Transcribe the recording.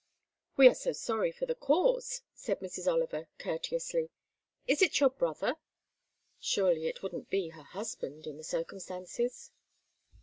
"We are so sorry for the cause," said Mrs. Oliver, courteously. "Is it your brother?" (Surely it wouldn't be her husband, in the circumstances?)